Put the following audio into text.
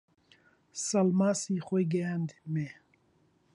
سەڵماسی خۆی گەیاندمێ